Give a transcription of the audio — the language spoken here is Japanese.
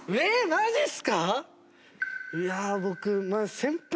マジすか？